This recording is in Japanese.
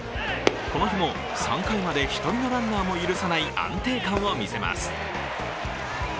この日も３回まで１人のランナーも許さない安定感を見せます。